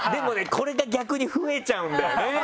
これが逆に増えちゃうんだよね。